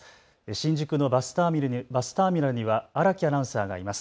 新宿のバスターミナルには荒木アナウンサーがいます。